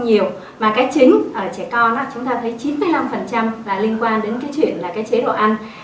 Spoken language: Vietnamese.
nhiều mà cái chính ở trẻ con chúng ta thấy chín mươi năm phần trăm là liên quan đến cái chuyện là cái chế độ ăn